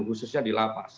khususnya di lapas